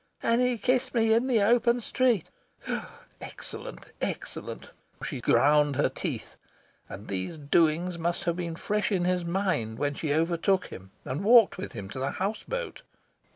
"And he kissed me in the open street" excellent, excellent! She ground her teeth. And these doings must have been fresh in his mind when she overtook him and walked with him to the house boat!